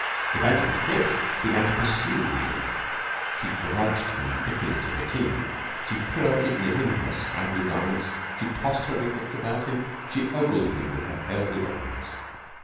Evangeline Fish began to pursue William. She grudged him bitterly to Bettine. She pirouetted near him in her sky blue garments, she tossed her ringlets about him. She ogled him with her pale blue eyes.